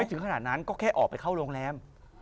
ถึงขนาดนั้นก็แค่ออกไปเข้าโรงแรม